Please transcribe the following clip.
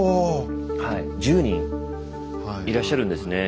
１０人いらっしゃるんですね。